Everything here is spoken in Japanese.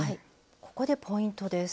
ここでポイントです。